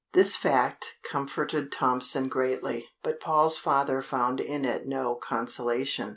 This fact comforted Tompson greatly, but Paul's father found in it no consolation.